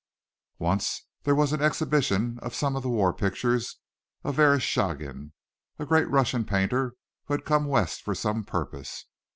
Once there was an exhibition of some of the war pictures of Verestchagin, a great Russian painter who had come West for some purpose.